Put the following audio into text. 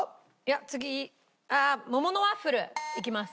次桃のワッフルいきます。